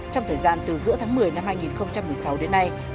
trong thời gian từ giữa tháng một mươi năm hai nghìn một mươi sáu đến nay